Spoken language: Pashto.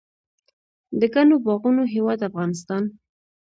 د ګڼو باغونو هیواد افغانستان.